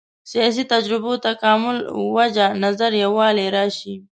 سیاسي تجربو تکامل وجه نظر یووالی راشي.